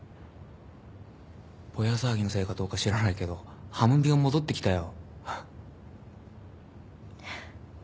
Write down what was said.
ぼや騒ぎのせいかどうか知らないけどはむみが戻ってきたよ。